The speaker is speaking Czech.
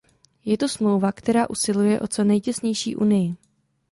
Je to smlouva, která usiluje o co nejtěsnější unii.